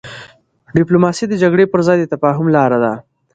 ډيپلوماسي د جګړې پر ځای د تفاهم لاره ده.